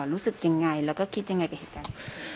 รู้สึกยังไงแล้วก็คิดยังไงกับเหตุการณ์